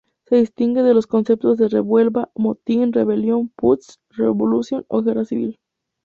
Se distingue de los conceptos de revuelta, motín, rebelión, "putsch", revolución o guerra civil.